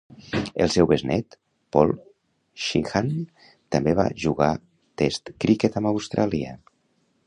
El seu besnét, Paul Sheahan, també va jugar test criquet amb Austràlia.